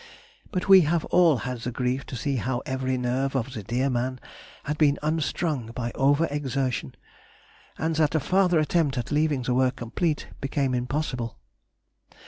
But we have all had the grief to see how every nerve of the dear man had been unstrung by over exertion; and that a farther attempt at leaving the work complete became impossible.